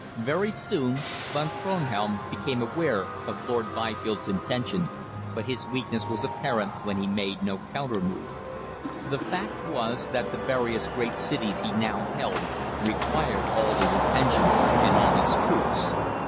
Very soon Von Kronhelm became aware of Lord Byfield's intentions, but his weakness was apparent when he made no counter move. The fact was that the various great cities he now held required all his attention and all his troops.